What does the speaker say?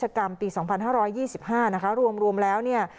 ชะกรรมปีสองพันห้าร้อยยี่สิบห้านะคะรวมแล้วเนี้ย